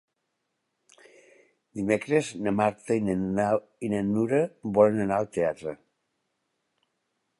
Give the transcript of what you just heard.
Dimecres na Marta i na Nura volen anar al teatre.